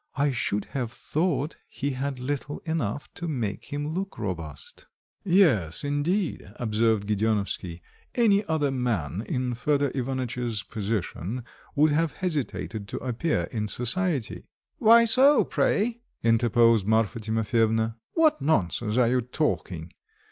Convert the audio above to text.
"I should have thought he had little enough to make him look robust." "Yes, indeed," observed Gedeonovsky; "any other man in Fedor Ivanitch's position would have hesitated to appear in society." "Why so, pray?" interposed Marfa Timofyevna. "What nonsense are you talking!